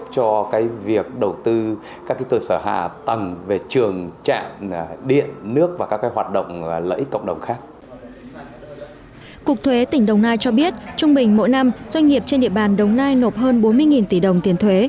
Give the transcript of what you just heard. cục thuế tỉnh đồng nai cho biết trung bình mỗi năm doanh nghiệp trên địa bàn đồng nai nộp hơn bốn mươi tỷ đồng tiền thuế